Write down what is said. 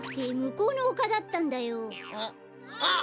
あっ！